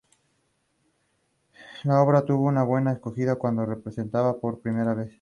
Cuando un pescador desaparece, un policía local está decidido a averiguar lo que pasó.